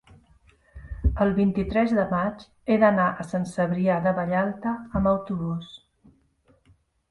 el vint-i-tres de maig he d'anar a Sant Cebrià de Vallalta amb autobús.